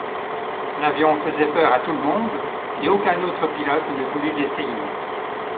L'avion faisait peur à tout le monde, et aucun autre pilote ne voulut l'essayer.